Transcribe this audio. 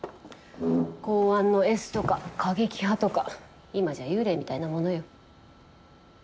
公安のエスとか過激派とか今じゃ幽霊みたいなものよ。